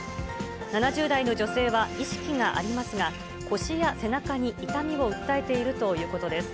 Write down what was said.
７０代の女性は意識がありますが、腰や背中に痛みを訴えているということです。